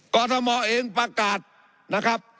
กรทมเองประกาศนะครับ